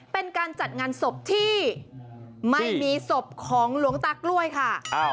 เป็นการจัดงานศพที่ไม่มีศพของหลวงตากล้วยค่ะ